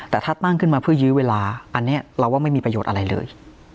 แต่ถ้าตั้งขึ้นมาเพื่อยื้อเวลาอันนี้เราว่าไม่มีประโยชน์อะไรเลย